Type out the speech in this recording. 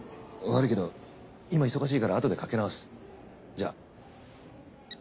悪いけど今忙しいからあとでかけ直すじゃあ。